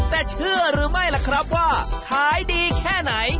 แต่เชื่อหรือไม่ล่ะครับว่าขายดีแค่ไหน